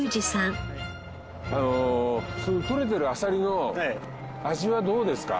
取れてるあさりの味はどうですか？